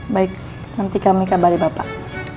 baik nanti kami kabari bapak